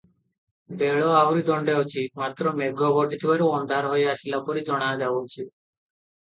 ବେଳ ଆହୁରି ଦଣ୍ତେ ଅଛି, ମାତ୍ର ମେଘ ଘୋଟିଥିବାରୁ ଅନ୍ଧାର ହୋଇ ଆସିଲା ପରି ଜଣାଯାଅଛି ।